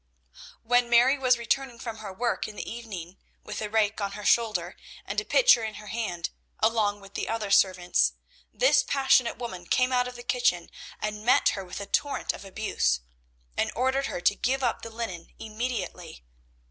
When Mary was returning from her work in the evening with a rake on her shoulder and a pitcher in her hand, along with the other servants, this passionate woman came out of the kitchen and met her with a torrent of abuse, and ordered her to give up the linen immediately.